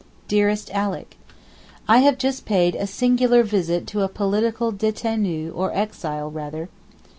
DEAREST ALICK, I have just paid a singular visit to a political detenu or exile rather.